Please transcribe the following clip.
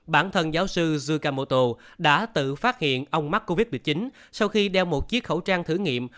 bản thân giáo sư zukamoto đã tự phát hiện ông mắc covid một mươi chín sau khi đeo một chiếc khẩu trang thử nghiệm